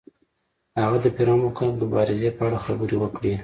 هغه د فرعون په مقابل کې د مبارزې په اړه خبرې وکړې.